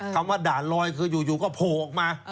คำว่าด่านลอยคืออยู่ก็โผล่ออกมา